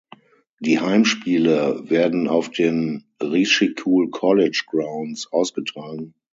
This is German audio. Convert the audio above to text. Die Heimspiele werden auf den "Rishikul College Grounds" ausgetragen.